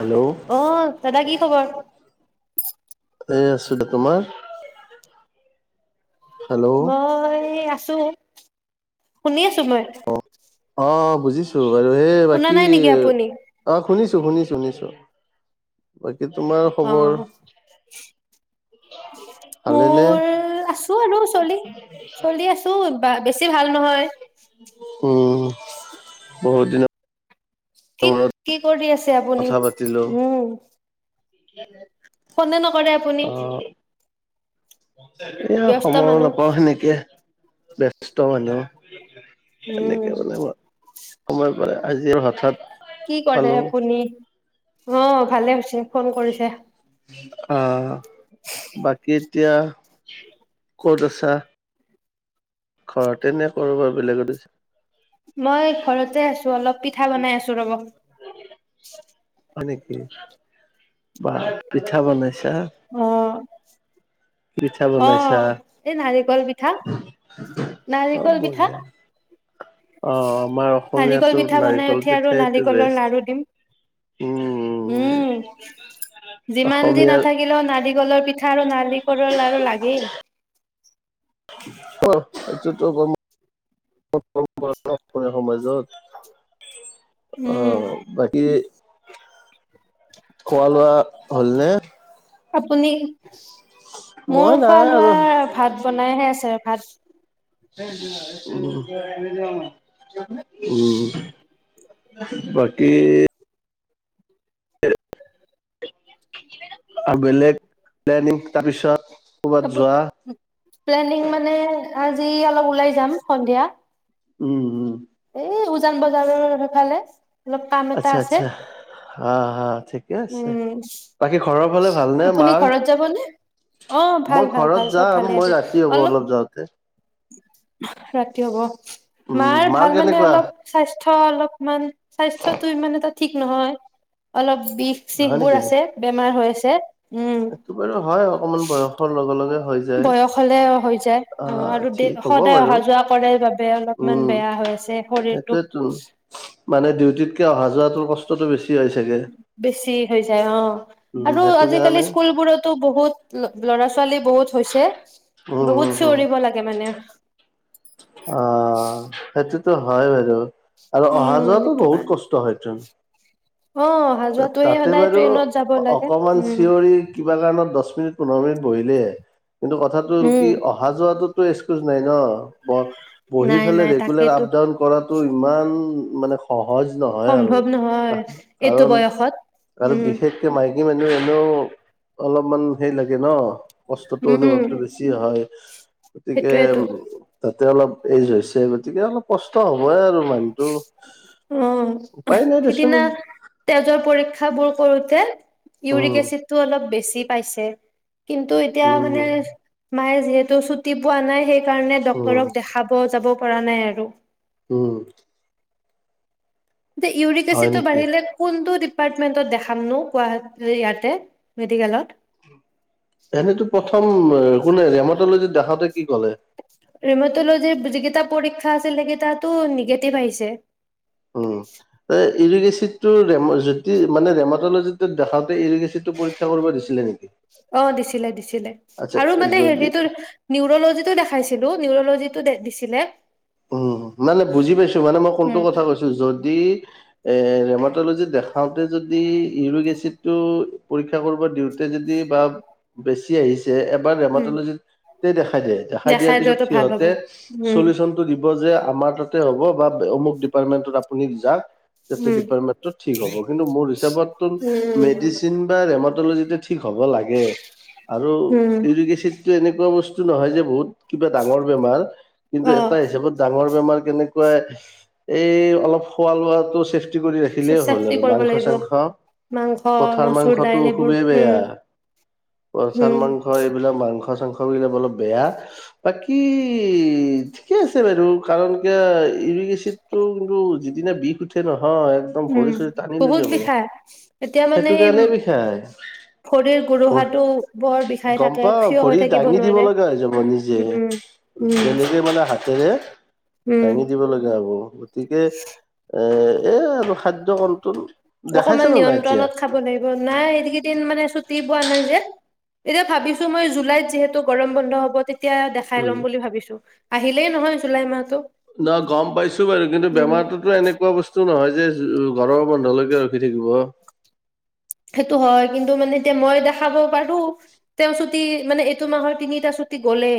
Hello অ', দাদা কি খবৰ? [inaudible] এই আছোঁ, তোমাৰ? হেল্ল' মই আছোঁ। শুনিছ অ', অ'। বুজিছোঁ। বাৰু হে শুনা বাকী নাই নেকি আপুনি অ', শুনিছোঁ। শুনিছোঁ, শুনিছোঁ, শুনিছোঁ। অ', ভালেনে মোৰ আছোঁ আৰু চলি, চলি আছোঁ। বা বেছি ভাল নহয়। উম, বহুত দিনৰ কি মূৰত কি কৰি আছে আপুনি উম। কি ফোনে নকৰে আপুনি এয়া ব্যস্ত সময়ো মানুহ নাপাওঁ সেনেকে। বেষ্ট মানুহ উম এনেকে মানে সময় প আজিৰ হঠাৎ কি কৰে পালো আপুনি অ ভালে হৈছে ফোন কৰিছে অ' বাকী এতিয়া ক'ত আছা। ঘৰতে নে কৰো বাত বেলেগত আছা মই ঘৰতে আছো। অলপ পিঠা বনাই আছো ৰব। হয় নেকি বা পিঠা বনাই। অম পিঠা অ বনাইছা 'এই নাৰিকল পিঠা। অ নাৰিকল পিঠা। বঢ়িয়া অ আমাৰ নাৰিকল অসমীয়াতো পিঠা বনাই নাৰিকল উঠি আৰু পিঠাইটো নাৰিকলৰ বেষ্ট লাৰু দিম উম উম যিমান যি অসমীয়াৰ নাথাকিলেও নাৰিকলৰ পিঠা আৰু নাৰিকলৰ লডাৰু লাগেই। আহ এইটোতো কৰ্ম সমাজত উম, অ' বাকী খোৱা লোৱা হ'লনে আপুনি মই মোৰ খোৱা নাই আৰু লোৱা ভাত বনাইহে আছে ভাত য উম বাকী আৰু বেলেগ প্লেনিং‌ তাৰপিছত। ক'বাত আপু যোৱা প্লেনিং মানে আজি অলপ ওলাই যাম সন্ধিয়া। উম, উম এই উজান বজাৰৰ সেফালে। আচ্ছা, আচ্ছা, হা, হা ঠিকে আছে, উম, বাকী ঘৰৰ ফালে ভালনে আপুনি মাৰ? ঘৰত যাবনে? অ', ভাল মই ভাল ভাল ঘৰত চব ভালে যাম আছে। মই ৰাতি হ'ব অলপ যাওঁতে। ৰাতি হব। উম মাৰ ভাল মানে কেনেকুৱা অলপ, স্বাস্থ্য [unintelligible] অলপমান স্বাস্থ্যটো ইমান এটা ঠিক নহয়। অলপ বিষ চিষ বোৰ আছে, বেমাৰ হৈ আছ [unintelligible] এটো বাৰু হয় অকমান বয়সৰ লগে লগে হৈ যায়। বয়স হলে হৈ যায়। অ', আহ আৰু দে, ঠিক হ'ব সদায় বাৰু অহা যোৱা কৰে বাবে অলপমান উম বেয়া হৈ আছে শৰীৰটো। সেইটোৱেতো মানে ডিউটিতকে, অহা যোৱাটোৰ কষ্টটো বেছি। হয় চাগে। বেছি হৈ যায়, অ'। উম আৰু সেইটো আজিকালি কাৰণে স্কুলবোৰতো বহুত, ল-ল'ৰা ছোৱালী [unintelligible] বহুত হৈছে। উম উম বহুত উম চিঞৰিব লাগে মানে। আহ [unintelligible] হয় বাৰু। আৰু অহা উম যোৱাটো সেইটো বহুত কাৰণে কষ্ট হয়তোন! অ অহা যোৱাটোৱে তাতে সদায় বাৰু ট্ৰেইনত যাব লাগে অকমান উম চিঞৰি কিবা কাৰণত দছ মিনিট, পোন্ধৰ মিনিট বহিলে কিন্তু কথাটো হ'ল উম কি, অহা যোৱাটোত [unintelligible] এক্সকিউজ নাই ন [unintelligible] বহি নাই পলাই নাই ৰেগুলাৰ তাকেতো আপ ডাউন কৰাটো ইমান- মানে সহ সম্ভৱ নহয়, এইটো কাৰণ বয় আৰু বিশেষকে মাই [unintelligible] এনে, এনেও অলপমান হেই লাগে ন? কষ্টটো উম অনুভৱটো বেছি হয়। গতিকে সেইটোয়েতো তাত তে অলপ এজ হৈছে, গতিকে অলপ কষ্ট হ'বই আৰু মানুহটো উম, উপায় নাই দেচোন সিদিনা তেজৰ পৰীক [unintelligible] ক্ষাবোৰ কৰোঁতে ইউৰিক উম এচিডটো অলপ বেছি ছি পাইছে। কিন্তু এতিয়া উম মানে মায়ে যিহেতু ছুটি পোৱা নাই সেই কাৰণে উম ডক্তৰক দেখাব যাব কৰা নাই আৰু। উম। তে ইউৰিক হয় এচিডটো নেকি? বাঢ়িলে কোনটো দিপ পাৰ্টমেণ্টত দেখামনো কোৱা ইয়াতে মেডিকেলত। এনে প্ৰথম কোনে [unintelligible] দেখাওঁতে কি ক'লে? ৰেমট'লজিৰ যিকেই পৰীক্ষা আছিলেকেইটাতো নিগেটিভ আহিছে। উম, এ ইউৰিক এছিড চিডটোৰ ৰেম যদি মানে ৰেম'ট'লজিটোৰ দেখাঁওতে ইউৰিক এচি অ', দিছিলে, দিছিলে আচ্ছা আৰু মানে যদি হেৰিটো নিউৰলজিটো দেখাইছিলো, নিউৰ'ল'জিত টো ডেট দিছিলে। উম, মানে বুজি পাইছোঁ মানে মই কোনটো উম কথা কৈছো যদি এ ৰেম'ট'লজিত দেখাওঁতে যদি ইউৰিক এচিডটো পৰীক্ষা কৰব' দিওঁ তে যদি বা বেছ তিয়াইচ এবাৰ উম ৰেম'ত'লজিত দেখাই দিয়ে, দেখাই দিয়াৰ পিছত লোৱাটো ভাল হ'ব সিহঁতে উম চলিউচন দিব যে আমাৰ তাতে হ'ব বা অমুক ডিপাৰ্টমেন্টত আপুনি যাক তাতে উম ডিপাৰ্টমেন্টত ঠিক হ'ব কিন্তু মোৰ হিচাপত উম মেডিচিন বা ৰেম ত'ল'জিতে ঠিক হ'ব লাগে আৰু উম ইউৰিক এচিড তে এনেকুৱা বস্তু নহয় যে বহুত কিবা ডাঙৰ বেমাৰ কিন্তু অ তা হিচাপত ডাঙৰ বেমাৰ কেনেকুৱাই এই অলপ খোৱা-লোৱাটো চেফ কৰি ৰাখিলে হ'ল চেষ্টি আৰু কৰিব মাংস লাগিব চাংস, মাংস পঠাৰ মচুৰ মাংসটো দাইল এইবোৰ খুবেই বেয়া উম পঠাৰ উম মাংস এইবিলাক মাংস চাংস [unintelligible] অলপ বেয়া বাকী ঠিকে আছে বাৰু কাৰণ কিয় ইউৰিক এচিডটো কিন্তু যিদিনা বিষ উঠে ন' উম, বহুত বিষায় এতিয়া মানে সেইটো সেই, কাৰণে বিষাই ভৰিৰ গোৰোহাটো বৰ বিষাই গম থাকে পাও থিয় ভৰি হৈ থাকিব দাঙি দিব নোৱাৰে লগা হৈ যাব নিজে উম, উম। কে উম দাঙি দিব লগা হ'ব গতিকে এই দেখাইছে অকমান নে নাই এতিয়া নিয়ন্ত্ৰণত খাব লাগিব, নাই এই কেইদিন মানে ছুটি লোৱা নাই যে, এতিয়া ভাবিছো মই জুলাইত যিহেতু গৰম বন্ধ হ'ব, তেত তিয়া দেখাই উম ল'ম বুলি ভাবিছোঁ। আহিলেই নহয় জুলাই মাহ বাৰুগম পাইছোঁ বাৰু, কিন্তু বেমাৰটোতো এনেকুৱা বস্তু নহয় যে, গৰম বন্ধলৈকে ৰখি থাকিব। সেইটো হয়, কিন্তু মানে এতিয়া মই দেখাব পাৰ ৰোঁ, তাপিছত তি, মানে এইটো মাহৰ তিনিটা ছুটি গ'লেই।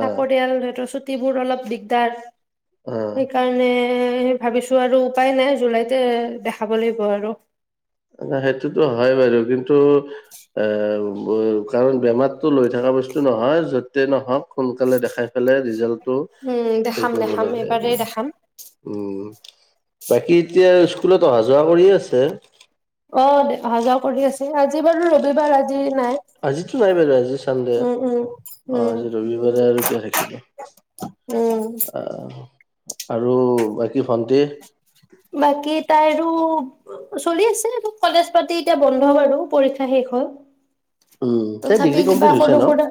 চাকৰীটো [unintelligible] দিউতি চিউত তি বোৰ অলপ দিগদাৰ। অ সেইকাৰণে এই ভাবিছো আৰু উপায় নাই, জুলাইতে দেখাব লাগিব আৰু। সেইটোতো হয় বাৰু, কিন্তু এ কাৰণ বেমাৰটো লৈ থকা বস্তু নহয়, য'তেই নহওক সোনকালে দেখাই পেলাই ৰিজাল্টটো উম হেই দেখাম কৰিব দেখাম লাগে আৰু। এইবাৰেই দেখাম উম, বাকী এতিয়া ইচ কুলত অহা যোৱা কৰি আছে? অ', অহা যোৱা কৰি আছোঁ, আজি বাৰু ৰবিবাৰ, আজি নাই আজিতো নাই বাৰু আজি চানডে। উম, উম, অ' উম, আজি ৰবিবাৰে আৰু কিয় থাকিব। উম, [unintelligible] আৰু বাকী ভণ্টি? বাকী তাইৰো চলি আছে। কলেজ পাতি এতিয়া বন্ধ বাৰু পৰীক্ষা শেষ হ'ল। উম তাই ডিগ্ৰী তথাপি কিবা কমপ্লিট হৈছে ন সৰু-সুৰা,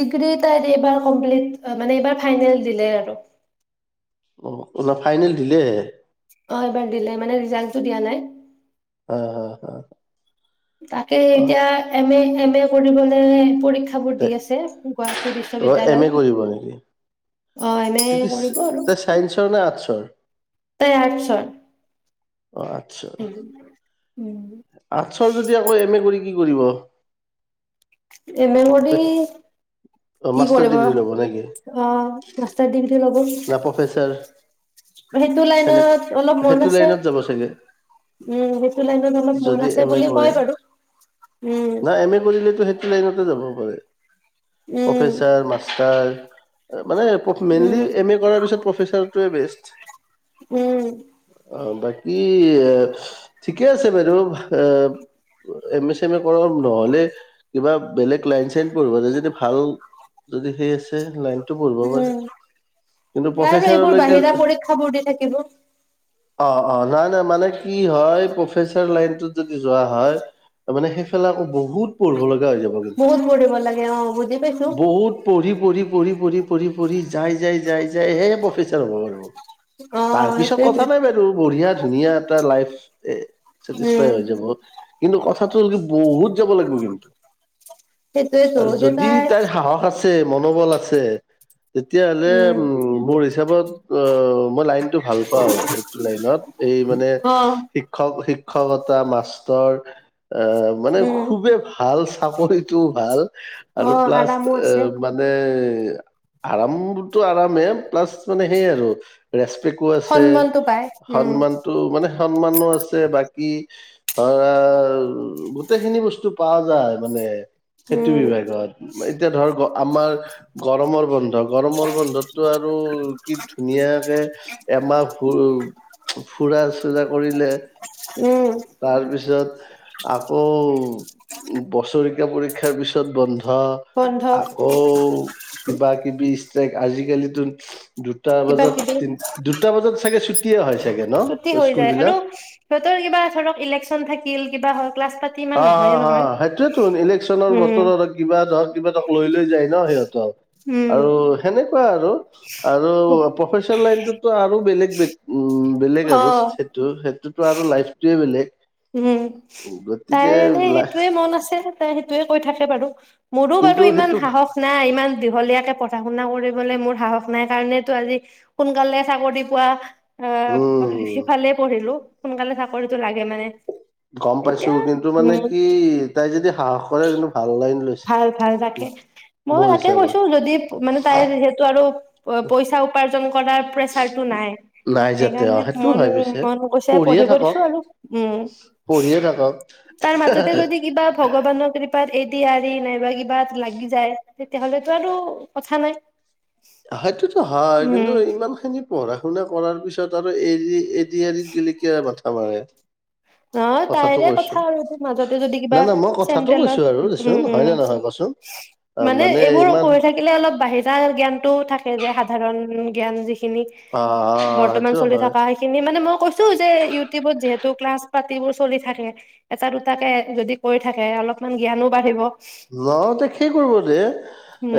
ডিগ্ৰী তাইৰ এইবাৰ কমপ্লিট মানে, এইবাৰ ফাইনেল দিলে আৰু। অ', [unintelligible] ফাইনেল দিলে? অ', এইবাৰ দিলে। মানে ৰিজাল্টতো দিয়া নাই। হা, হা, হা। তাকেই অ এতিয়া এম এ, এম এ কৰিবলৈ পৰীক্ষা বোৰ তে দি আছে, গুৱাহাটী অ এম বিশ্ববিদ্যয়ালয়। এ কৰিব নেকি [unintelligible] তাই ছায়েন্সৰ নে আৰ্টছৰ? তাই আৰ্টছত। অ আৰ্টছৰ হম্। আৰ্টছৰ যদি আকৌ এম এ কৰি কি কৰিব? এমে কৰি কি মাষ্টাৰ কৰিব অ ডিগ্ৰী ল'ব নেকি মাষ্টাৰ ডিগ্ৰী ল'ব না প্ৰফেচাৰ সেইটো সেনে লাইনত অলপ মন সেইটো আছে লাইনত যাব চাগে উম সেইটো লাইনত অলপ মন যদি আছে এম এ বুলি কয় কৰে বাৰু উম। হয়। উম প্ৰফেচাৰ মাষ্টাৰ। অ। মানে উম মেইনলি। কৰাৰ পাছত প্ৰফেছাৰটোৱে বেষ্ট। উম। অ বাকী ঠিকে আছে বাইদেউ এ এম এ চম এ কৰ নহ'লে কিবা বেলেগ লাইন চাইন পঢ়িবলৈ যদি ভাল যদি সেই আছে লাইন। টো পব পাৰে। উম কিন্তু এইবোৰ প্ৰফেচাৰলৈকে বাহিৰা পৰীক্ষাবোৰ দি থাকিব। অ অ নাই নাই মানে কি হয় প্ৰফেচাৰ লাইনটোত যদি যোৱা হয় মানে সেইফালে আকৌ বহুত পঢ়িব লাগ বহুত বঢ় ভাল লাগে অ বুজি পাইছো। বহুত পঢ়ি পঢ়ি পঢি পঢ়ি পঢ়ি যায় যাই যাই যাই সেই প্ৰফেচাৰ হ'ব পাৰিব। অ তাৰ পিছত কথা সেইটোয়েতো নাই বাৰু বঢ়িয়া। ধুনীয়া এটা লাইফ এ সতিস্ফাইদ উম হৈ যাব। কিন্তু কথাটোলক বহুত যাব লাগিব কিন্তু সেইটোটো দে তাই মন বল আছে তেতিয়া উম মোৰ হিচাপত অ মই লাইনতটো ভাল পাও এইটো লাইনত এই মানে অ শিক্ষক শিক্ষকতা মাষ্টৰ অ মানে উম খুবেই ভাল চাপৰিটোও ভাল। অ আৰু প্লাছ আৰামো এ আছে মানে আৰাম টো আৰামে কো আছে সন্মানটো পায় উম সন্মানতটো মানে সন্মানো আছে বাকী অ গোটেইখিনি বস্তু পোৱা যায় মানে। সেইটো উম বিভাগত এতিয়া ধৰক আমাৰ গৰমৰ বন্ধ। গৰমৰ বন্ধতটো আৰু কি ধুনীয়াকে, এমাহ ফুৰা-চুৰা কৰিলে। উম তাৰপিছত আকৌ বছৰে [unintelligible] পৰীক্ষাৰ পিছত বন্ধ বন্ধ আকৌ কিবা-কিবি [unintelligible] আজিকালিতো দুটা কিবা বজাত কিবি তিন-দুটা বজাত চাগে ছুটিয়ে হয় চাগে ছুটি ন' হৈ স্কুল যায় আৰু বিলাক? সিহঁতৰ কিবা ধৰক ইলেকচন থাকিল কিবা হ'ল। অ', [unintelligible] হেইটোৱেতো ইলেকশ্যনৰ উম বতৰত কিবা ধৰক কিবা [unintelligible] যায় ন' সিহঁতক উম আৰু সেনেকুৱা আৰু ন'! আৰু প্ৰফেচনেল লাইনটোতটো আৰু বেলেগ। [unintelligible] উম, বেলেগ অ আৰু সেইটো, সেইটোতো আৰু লাইফটোৱে বেলেগ। উম। গতিকে তাইৰ এনেই লাইফ সেইটোয়ে মন আছে, তাই সেইটোৱে কয় থাকে বাৰু। মোৰো বাৰু কিন্তু ইমান সেইটো সাহস নাই ইমান দীঘলীয়াকে পঢ়া পঢ়া শুনা কৰিবলৈ মোৰ সাহস নাই কাৰণেতো আজি সোনকালে চাকৰি পোৱা আ, উম। সিফালে পঢ়িলোঁ। সোনকালে চাকৰিটো লাগে মানে। গম পাইছো এতিয়া কিন্তু মানে উম, কি তাই যদি সাহস কৰে কিন্তু ভাল লাইন লৈছে। ভাল, ভাল তাকে মই মোৰ তাকে হিচাপত কৈছোঁ যদি মানে তাই যিহেতু আৰু পইচা উপা পঢ়াৰ প্ৰেচাৰটো নাই, নাই যাতে অ' সেইকাৰণে সেইটো মন, হয় পিছে মন গৈছে পঢ়িয়ে পঢ়িব থাকক দিছোঁ আৰু উম। পঢ়িয়ে থাকক। তাৰ মাজতে যদি কিবা ভগৱানৰ কৃ এ ডি আৰি নাইবা কিবাত লাগি যায়, তেতিয়াহ'লেতো আৰু কথা নাই। সেইটোতো হয়, উম কিন্তু ইমানখিনি পঢ়া শুনা কৰাৰ পিছত আৰু এই-ৰি-ৰি [unintelligible] [unintelligible] নাই তাইৰে কথা আৰু এইটো মাজতে যদি না কিবা না মই কথাটো চেন্ট্ৰেলৰ কৈছোঁ আৰু উম, দেচোন, হয় নে নহয় কচোন? উম অ' মানে এইবোৰ ইমান পঢ়ি থাকিলে অলপ বাহিৰা জ্ঞানটোয়ো থাকে যে সাধাৰণ জ্ঞান যিখি অ' অ' বৰ্তমান সেইটো চলি হয়। থকা সেইখিনি মানে মই কৈছোঁ যে, ইউটিউবত যিহে তো, ক্লাছ পাতিবোৰ চলি থাকে, এটা, দুটাকে যদি কৈ থাকে অলপমান জ্ঞানো বাঢ়িব। ন দে সেই কৰিব দে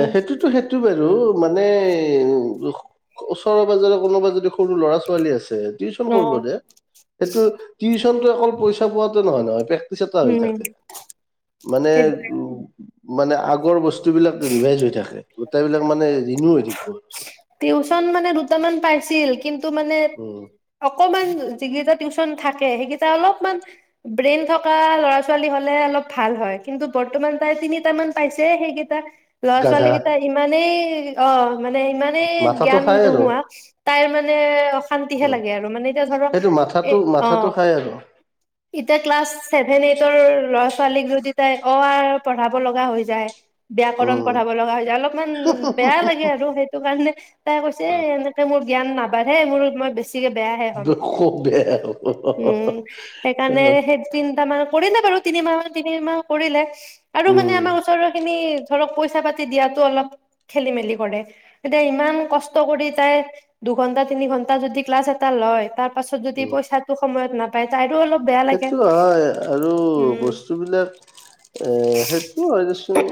এ সেইটোতো সেইটো বে ৰ মানে উ ওচৰৰে পাজৰে কোনোবা যদি সৰু ল'ৰা ছোৱালী আছে। দে টাউন অ কৰিব দে। এইটো টো অকল পইচা পোৱাতটো নহয় নহয় তা পাৰি উম থাকে মানে মানে আগৰ বস্তুবিলাক ৰিভাইজ হৈ থাকে গোটেই বিলাক মানে ৰিণু থাকিব আৰু চব টিউচন মানে দুটামান পাইছিল কিন্তু মানে উম অকমাণ যিকেই টিউচ্যন থাকে সেইকেইটা অলপমান ব্ৰেইন থকা লৰা ছোৱালী হ'লে অলপ ভাল হয় কিন্তু বৰ্তমান তাই তিনিট মান পাইছে সেইকেইটা ল'ৰা ছোৱালী গাধা কেইটা মানে অ মানে ইমানেই মাথাটো জ্ঞান খাই আৰু নোহোৱা তাইৰ মানে তাৰ মানে অশান্তিহে উম মানে ধৰক সেইটো মাথাটো এই অ মাথাটো খাই আৰু এতিয়া কিলাচ ছেভেন এইটৰ ল'ৰা ছোৱালীক যদি তাই অ, আ পঢ়াব লগা হৈ যায়। ব্যাকৰণ উম পঢ়াব লগা হৈ অলপমান বেয়া লাগে আৰু সেইটো কাৰণে তাই কৈছে এনেকে মোৰ জ্ঞান নাবাঢ়ে! মোৰ মই বেছি বেছিকে বেয়াহে হ'ম। ব- খুব বেয়া উম, সেইকাৰণে সেই তিনিটামানক কৰিলে বাৰু! তিনিমাহ, তিনিমাহ কৰিলে। আৰু মানে উম আমাৰ ওচৰৰ খিনিত ধৰক পইচা পাতি দিয়াত অলপ খেলিমেলি কৰে। এতিয়া ইমান কষ্ট কৰি তাই দুঘন্টা-তিনি ঘন্টা যদি ক্লাছ এটা লয় তাৰ পাছত যদি পইচাটো সময়ত না [unintelligible] পায়, তাইটো অলপ বেয়া লাগে সেইটোতো হয় আৰু উম বস্তুবিলাক, এ সেইটো হয় দেচোন!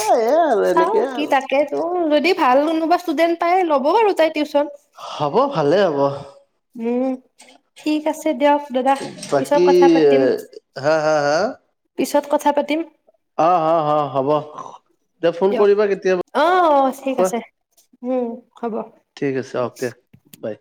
এই চাওঁ কি তাকেটো, যদি ভাল কোনোবা ষ্টুডেট পায়, ল'ব বাৰু তাই। টিউচন! হ'ব ভালে হ'ব উম, ঠিক আছে দিয়ক দাদা। বাকী পিছত কথা এ, পাতিম, হা হা হা পিছত কথা পাতিম। অ', অ', অ', হ'ব। দে ফোন দিয়ক কৰিবা কেতিয়াবা অ', অ', ঠিক আছে। হম। ঠিক আছে অ'কে বাই।